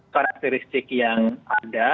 karakteristik yang ada